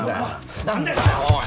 何だよおい！